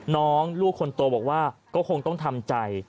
ลูกคนโตบอกว่าก็คงต้องทำใจ